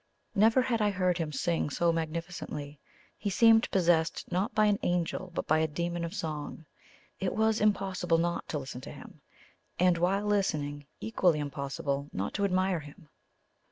Never had I heard him sing so magnificently. He seemed possessed not by an angel but by a demon of song. It was impossible not to listen to him, and while listening, equally impossible not to admire him.